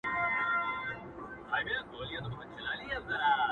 • چي یو یو خواږه یاران مي باندي تللي -